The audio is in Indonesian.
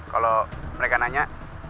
kalau mereka nanya